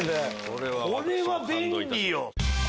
これは便利よ！